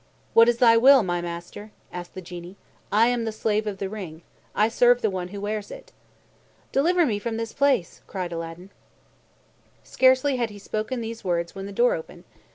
"What is thy will, my master?" asked the Genie. "I am the Slave of the Ring. I serve the one who wears it." "Deliver me from this place!" cried Aladdin. Scarcely had he spoken these words when the earth opened.